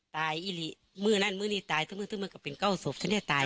ตายอีหลีมือนั้นมือนี้ตายมือมือก็เป็นเก้าศพฉันเนี่ยตาย